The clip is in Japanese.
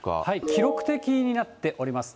記録的になっております。